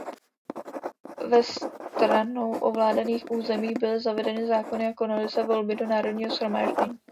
Ve stranou ovládaných územích byly zavedeny zákony a konaly se volby do Národního shromáždění.